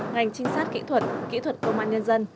ngành trinh sát kỹ thuật kỹ thuật công an nhân dân